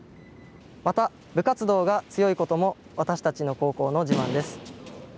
また、部活動が強いことも私たちの高校の自慢です。